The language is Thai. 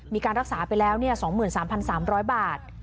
มีการรักษาไปแล้ว๒๓๓๐๐บาท